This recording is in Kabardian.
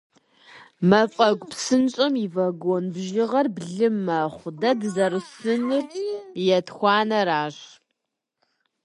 Мафӏэгу псынщӏэм и вагон бжьыгъэр блы мэхъу, дэ дызэрысынур етхуанэращ.